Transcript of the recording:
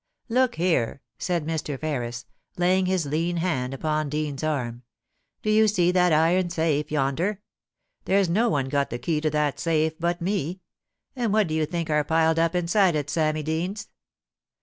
* Look here !* said Mr. Ferris, laying his lean hand upon Dean's arm. * Do you see that iron safe yonder ? There's no one got the key to that safe but me ; and what do you think are piled up inside it, Sammy Deans